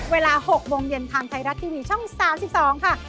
เวลา๖โมงเย็นทางไทยรัฐทีวีช่อง๓๒ค่ะ